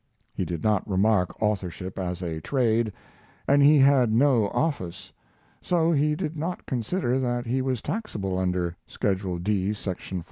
He did not regard authorship as a trade, and he had no office, so he did not consider that he was taxable under "Schedule D, section 14."